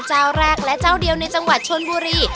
เจ้าแรกและเจ้าเดียวในจังหวัดชนบุรี